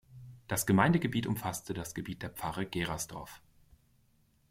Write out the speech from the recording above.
Das Gemeindegebiet umfasste das Gebiet der Pfarre Gerersdorf.